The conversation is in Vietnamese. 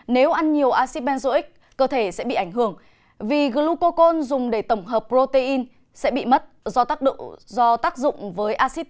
nếu ăn nhiều acid benzoic cơ thể sẽ bị ảnh hưởng vì glucocon dùng để tổng hợp protein sẽ bị mất do tác dụng với acid benzoic để giải độc